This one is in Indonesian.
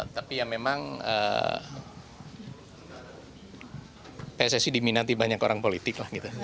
tapi ya memang pssi diminati banyak orang politik